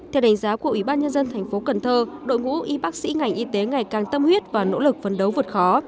theo đánh giá của ủy ban nhân dân thành phố cần thơ đội ngũ y bác sĩ ngành y tế ngày càng tâm huyết và nỗ lực phấn đấu vượt khó